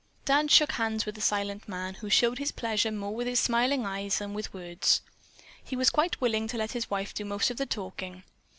Dan shook hands with the silent man, who showed his pleasure more with his smiling eyes than with words. He was quite willing to let his wife do most of the talking.